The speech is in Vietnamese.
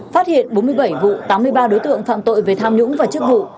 phát hiện bốn mươi bảy vụ tám mươi ba đối tượng phạm tội về tham nhũng và chức vụ